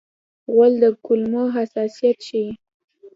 غول د کولمو حساسیت ښيي.